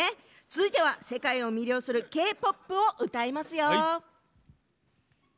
続いては世界魅了するＫ‐ＰＯＰを歌いますよ。